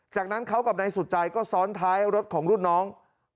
จากนั้นเขากับนายสุดใจก็ซ้อนท้ายรถของรุ่นน้อง